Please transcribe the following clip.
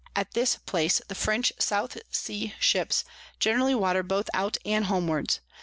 At this place the French South Sea Ships generally water both out and homewards.